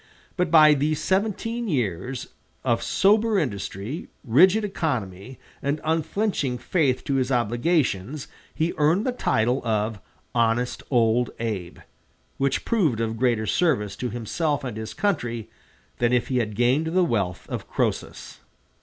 But by these seventeen years of sober industry, rigid economy, and unflinching faith to his obligations he earned the title of "Honest old Abe," which proved of greater service to himself and his country than if he had gained the wealth of Croesus.